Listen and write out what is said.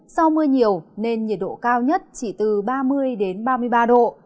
do mưa nhiều nên nhiệt độ cao nhất chỉ từ ba mươi ba mươi ba độ